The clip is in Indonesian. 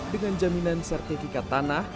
dengan jaminan sertifikat tanah